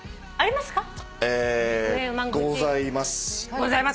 ございます。